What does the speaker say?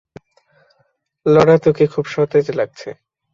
Laura তোকে খুব সতেজ লাগছে।